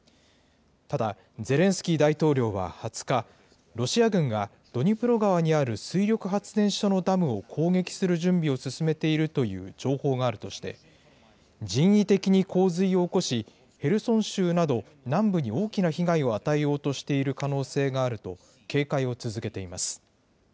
ただ、ゼレンスキー大統領は２０日、ロシア軍がドニプロ川にある水力発電所のダムを攻撃する準備を進めているという情報があるとして、人為的に洪水を起こし、ヘルソン州など南部に大きな被害を与えようとしている可能性があると、警戒を続けています。